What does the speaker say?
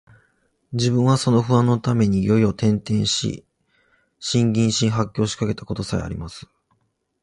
自分はその不安のために夜々、転輾し、呻吟し、発狂しかけた事さえあります